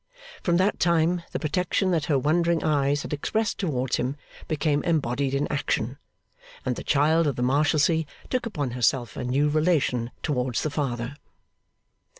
From that time the protection that her wondering eyes had expressed towards him, became embodied in action, and the Child of the Marshalsea took upon herself a new relation towards the Father.